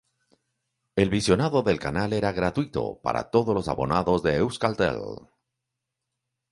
El visionado del canal era gratuito para todos los abonados de Euskaltel.